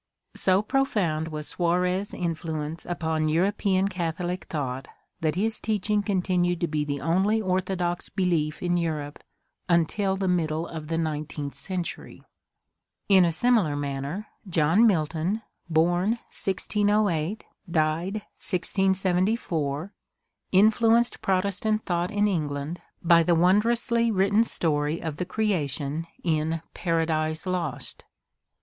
So profound was Suarez* influence upon European Catholic thought that his teaching continued to be the only orthodox belief in Europe until the middle of the nineteenth century. In a similar manner John Milton (1608 1674) influenced Protestant thought in England by the wondrously written story of the creation in Paradise Lost.